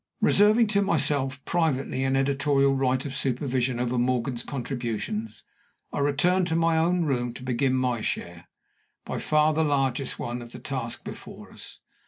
Reserving to myself privately an editorial right of supervision over Morgan's contributions, I returned to my own room to begin my share by far the largest one of the task before us.